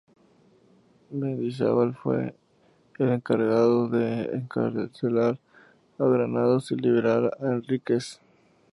Mendizabal fue el encargado de encarcelar a Granados y liberar a Enríquez.